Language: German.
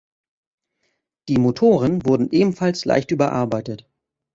Die Motoren wurden ebenfalls leicht überarbeitet.